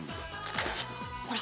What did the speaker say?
ほら。